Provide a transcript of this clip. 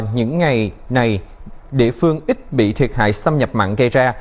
những ngày này địa phương ít bị thiệt hại xâm nhập mặn gây ra